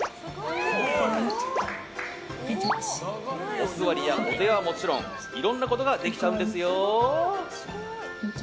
おすわりや、お手はもちろんいろんなことができちゃうんですよ。